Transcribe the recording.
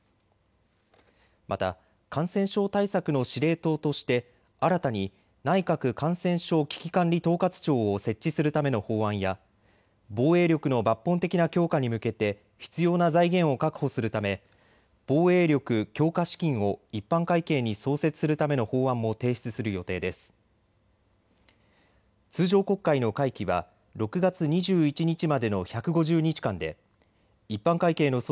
また、感染症対策の司令塔として新たに内閣感染症危機管理統括庁を設置するための法案や防衛力の抜本的な強化に向けて必要な財源を確保するため防衛力強化資金を一般会計に創設するための法案も提出する予定です。